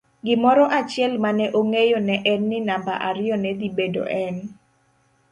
Gimoro achiel mane ong'eyo neen ni namba ariyo nedhi bedo en.